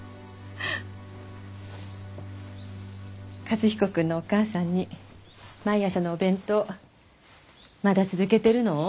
和彦君のお母さんに毎朝のお弁当まだ続けてるの？